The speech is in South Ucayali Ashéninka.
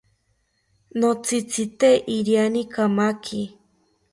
Notzitzite iriani kamaki